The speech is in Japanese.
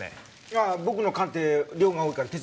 ああ僕の鑑定量が多いから手伝って。